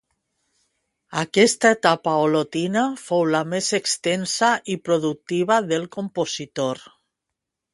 Aquesta etapa olotina fou la més extensa i productiva del compositor.